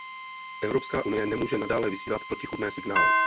Evropská unie nemůže nadále vysílat protichůdné signály.